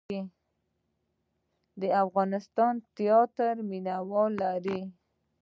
د افغانستان تیاتر مینه وال لري